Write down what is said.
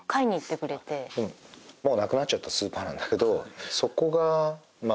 もうなくなっちゃったスーパーなんだけどそこがまあ。